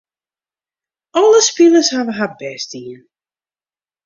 Alle spilers hawwe har bêst dien.